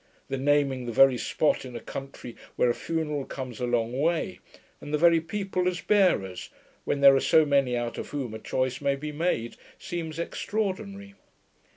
The naming the very spot in a country where a funeral comes a long way, and the very people as bearers, when there are so many out of whom a choice may be made, seems extraordinary.